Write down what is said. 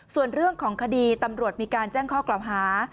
ส่วนเรื่องของคดีตำรวจมีการแจ้งข้อกล่าวหา